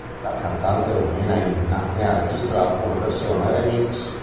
La cantante rumena Inna ne ha registrato una versione remix.